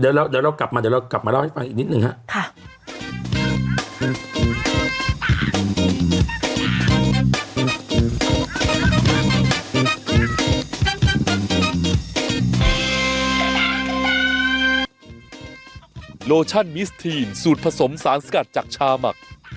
เดี๋ยวเรากลับมาเดี๋ยวเรากลับมาเล่าให้ฟังอีกนิดหนึ่งครับ